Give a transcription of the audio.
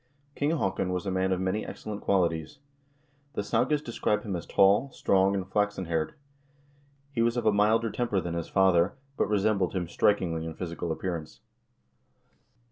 King Haakon was a man of many excellent qualities. The sagas describe him as tall, strong, and flaxen haired. He was of a milder temper than his father, but resembled him strikingly in physical appearance.